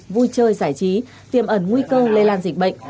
vui chơi giải trí tiềm ẩn nguy cơ lây lan dịch bệnh